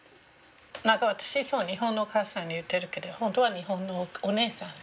私いつも「日本のお母さん」言ってるけど本当は「日本のお姉さん」。